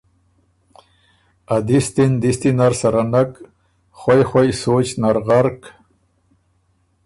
ا دِستی ن دِستی نر سَره نک، خوَئ خوَئ سوچ نر غرق،